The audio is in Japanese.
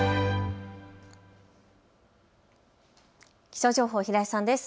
気象情報、平井さんです。